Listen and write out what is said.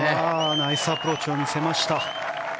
ナイスアプローチを見せました。